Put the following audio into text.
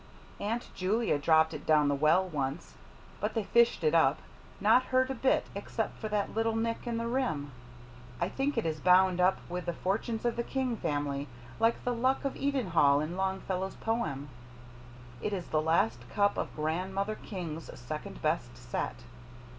Aunt Julia dropped it down the well once, but they fished it up, not hurt a bit except for that little nick in the rim. I think it is bound up with the fortunes of the King family, like the Luck of Edenhall in Longfellow's poem. It is the last cup of Grandmother King's second best set.